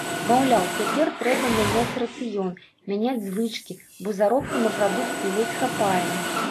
Маўляў, цяпер трэба мяняць рацыён, мяняць звычкі, бо заробку на прадукты ледзь хапае.